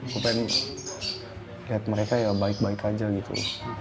aku pengen lihat mereka ya baik baik aja gitu